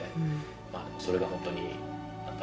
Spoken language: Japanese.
まぁそれがホントに何だろう。